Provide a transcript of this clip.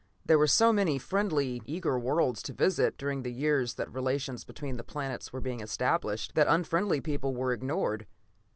There were so many friendly, eager worlds to visit, during the years that relations between the planets were being established, that an unfriendly people were ignored.